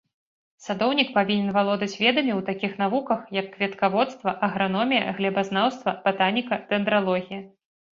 Садоўнік павінен валодаць ведамі ў такіх навуках, як кветкаводства, аграномія, глебазнаўства, батаніка, дэндралогія.